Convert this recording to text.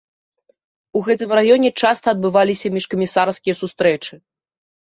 У гэтым раёне часта адбываліся міжкамісарскія сустрэчы.